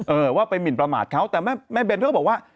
เออว่าไปหมินประมาทเขาแต่แม่เบนเขาก็บอกว่า